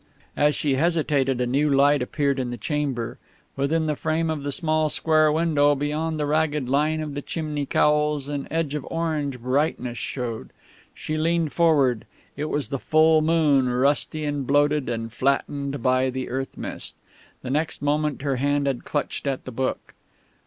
As she hesitated a new light appeared in the chamber. Within the frame of the small square window, beyond the ragged line of the chimney cowls, an edge of orange brightness showed. She leaned forward. It was the full moon, rusty and bloated and flattened by the earth mist. The next moment her hand had clutched at the book.